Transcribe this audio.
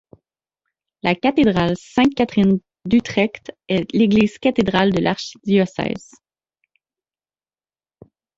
La Cathédrale Sainte-Catherine d'Utrecht est l'église cathédrale de l'archidiocèse.